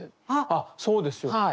あっそうですよ。